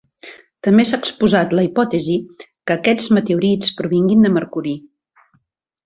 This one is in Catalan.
També s'ha exposat la hipòtesi que aquests meteorits provinguin de Mercuri.